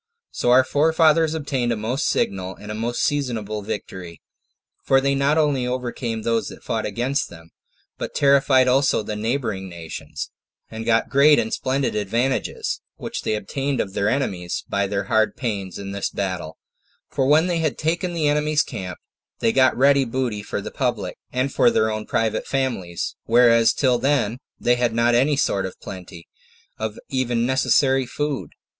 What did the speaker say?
So our forefathers obtained a most signal and most seasonable victory; for they not only overcame those that fought against them, but terrified also the neighboring nations, and got great and splendid advantages, which they obtained of their enemies by their hard pains in this battle: for when they had taken the enemy's camp, they got ready booty for the public, and for their own private families, whereas till then they had not any sort of plenty, of even necessary food.